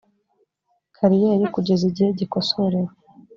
kariyeri kugeza igihe gikosorewe